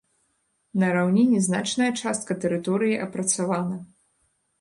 На раўніне значная частка тэрыторыі апрацавана.